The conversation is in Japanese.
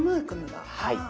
はい。